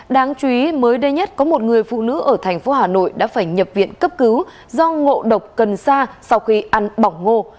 đáng chú ý mới đây nhất có một người phụ nữ ở thành phố hà nội đã phải nhập viện cấp cứu do ngộ độc cần sa sau khi ăn bỏng ngô